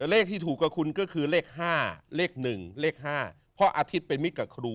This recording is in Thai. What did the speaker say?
เลขที่ถูกกับคุณก็คือเลข๕เลข๑เลข๕เพราะอาทิตย์เป็นมิตรกับครู